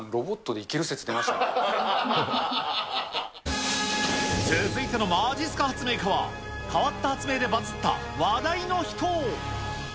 玉城さん、ロボットでいける続いてのまじっすか発明家は、変わった発明でバズった話題の人。